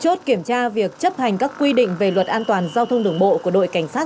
chốt kiểm tra việc chấp hành các quy định về luật an toàn giao thông đường bộ của đội cảnh sát